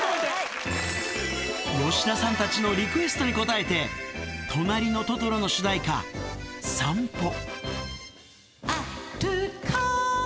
吉田さんたちのリクエストに応えて、となりのトトロの主題歌、さんぽ。